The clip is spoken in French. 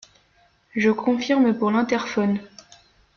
Je confirme pour l’interphone.